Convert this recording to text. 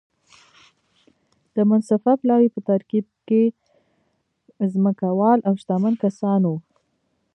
د منصفه پلاوي په ترکیب کې ځمکوال او شتمن کسان وو.